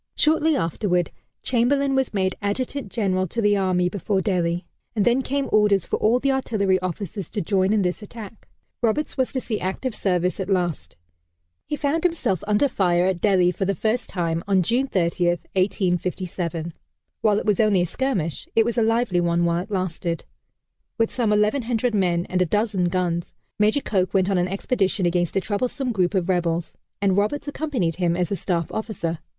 Shortly afterward, Chamberlain was made Adjutant General to the Army before Delhi, and then came orders for all the artillery officers to join in this attack. Roberts was to see active service at last. He found himself under fire at Delhi for the first time on June 30, 1857. While it was only a skirmish it was a lively one while it lasted. With some 1,100 men and a dozen guns, Major Coke went on an expedition against a troublesome group of rebels, and Roberts accompanied him as a staff officer.